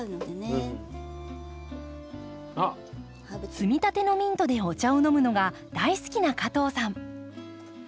摘みたてのミントでお茶を飲むのが大好きな加藤さん。